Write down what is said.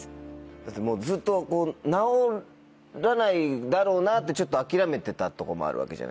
だってもうずっと治らないだろうなってちょっと諦めてたとこもあるわけじゃないですか。